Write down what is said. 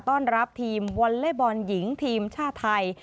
ต้อนรับทีมวอลเล็บอลหญิงทีมชาติไทย